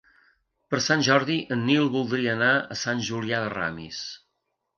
Per Sant Jordi en Nil voldria anar a Sant Julià de Ramis.